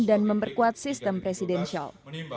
dan memperkuat sistem presidensial